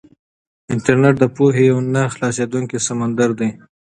انټرنيټ د پوهې یو نه خلاصېدونکی سمندر دی.